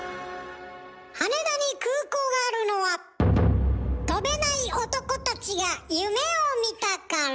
羽田に空港があるのは飛べない男たちが夢を見たから。